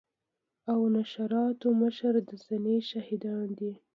او نشراتو مشر د صحنې شاهدان دي.